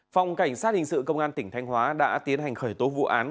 phòng cảnh sát hình sự công an tỉnh thanh hóa đã tiến hành khởi tố vụ án